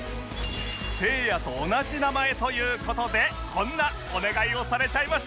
せいやと同じ名前という事でこんなお願いをされちゃいました！